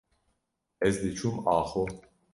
ez diçûm axo.